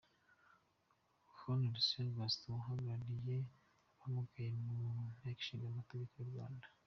Hon Rusiha Gaston uhagarariye abamugaye mu nteko ishinga amategeko y'u Rwanda.